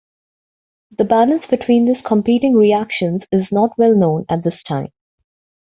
The balance between these competing reactions is not well known at this time.